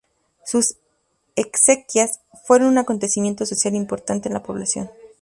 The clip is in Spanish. Sus exequias fueron un acontecimiento social importante en la población.